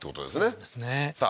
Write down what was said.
そうですねさあ